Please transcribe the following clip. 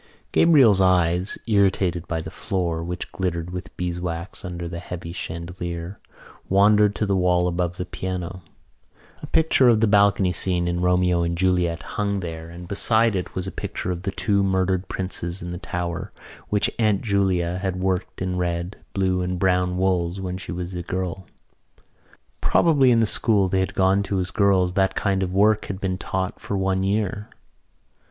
Gabriel's eyes, irritated by the floor, which glittered with beeswax under the heavy chandelier, wandered to the wall above the piano. A picture of the balcony scene in Romeo and Juliet hung there and beside it was a picture of the two murdered princes in the Tower which Aunt Julia had worked in red, blue and brown wools when she was a girl. Probably in the school they had gone to as girls that kind of work had been taught for one year.